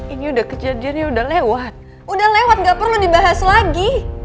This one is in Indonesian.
ini udah kejadiannya udah lewat udah lewat gak perlu dibahas lagi